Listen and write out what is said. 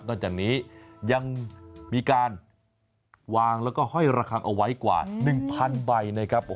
ตอนนี้ยังมีการวางแล้วก็ห้อยระคังเอาไว้กว่า๑๐๐ใบนะครับ